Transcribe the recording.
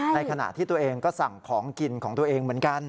ในขณะที่ตัวเองก็สั่งของกินของตัวเองเหมือนกัน